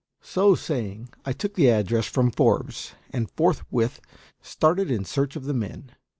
So saying, I took the address from Forbes, and forthwith started in search of the men.